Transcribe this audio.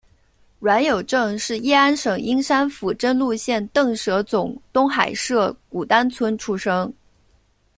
阮有政是乂安省英山府真禄县邓舍总东海社古丹村出生。